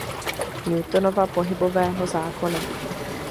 Newtonova pohybového zákona.